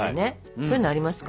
そういうのありますか？